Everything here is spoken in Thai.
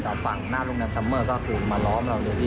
กับฝั่งรุ่งแดนซ่อมเมอร์ก็คือมาล้อมเราเลยพี่